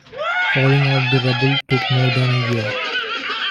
Hauling out the rubble took more than a year.